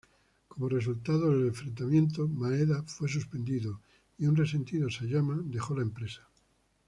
Como resultado del enfrentamiento, Maeda fue suspendido, y un resentido Sayama dejó la empresa.